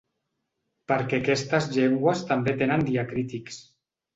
Perquè aquestes llengües també tenen diacrítics.